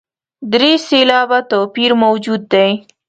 درې سېلابه توپیر موجود دی.